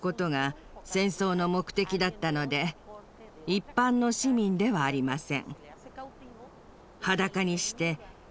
一般の市民ではありません。